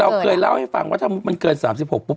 เราเคยเล่าให้ฟังว่ามันเกิด๓๖ปุ๊บ